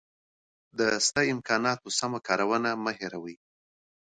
د سته امکاناتو سمه کارونه مه هېروئ.